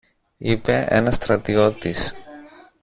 είπε ένας στρατιώτης.